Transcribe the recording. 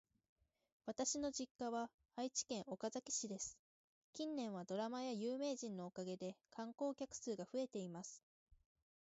私の実家は愛知県岡崎市です。近年はドラマや有名人のおかげで観光客数が増えています。